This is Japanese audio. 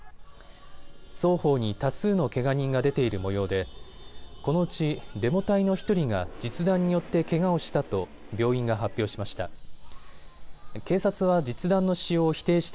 双方に多数のけが人が出ているもようでこのうちデモ隊の１人が実弾によってけがをしたと病院が発表しました。